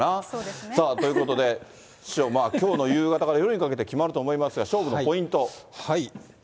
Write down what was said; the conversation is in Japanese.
そうですね。ということで、きょうの夕方から夜にかけて決まると思いますが、勝負のポイント。